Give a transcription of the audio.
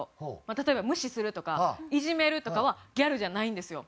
例えば無視するとかいじめるとかはギャルじゃないんですよ。